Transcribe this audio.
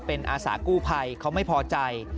เป็นอาสากู้ภัยเขาไม่พอใจ